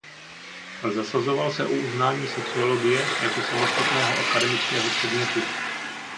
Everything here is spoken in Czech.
Zasazoval se o uznání sociologie jako samostatného akademického předmětu.